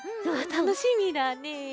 たのしみだね。